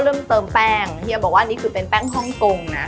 เริ่มเติมแป้งเฮียบอกว่านี่คือเป็นแป้งฮ่องกงนะ